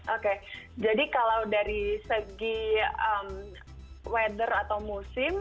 oke jadi kalau dari segi weather atau musim